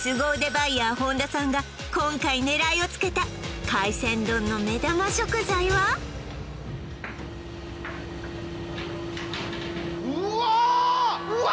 バイヤー本田さんが今回狙いをつけた海鮮丼の目玉食材はうわっ！